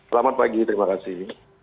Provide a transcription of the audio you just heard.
selamat pagi terima kasih